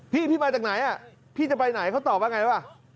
พี่พี่มาจากไหนพี่จะไปไหนเขาตอบว่าไงว่ะ